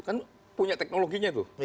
kan punya teknologinya tuh